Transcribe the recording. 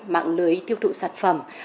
mạng lưới tiêu thụ sản phẩm